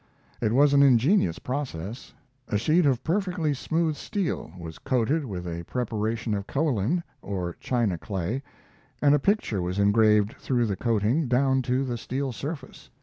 It was an ingenious process: a sheet of perfectly smooth steel was coated with a preparation of kaolin (or china clay), and a picture was engraved through the coating down to the steel surface.